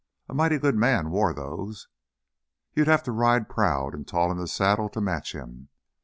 A mighty good man wore those. You'd have to ride proud and tall in the saddle to match him.